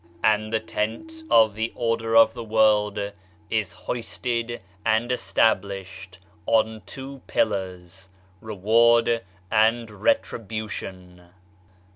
And the tent of the order of the World 130 BAHAISM is hoisted and established on two pillars — Reward and Retribution."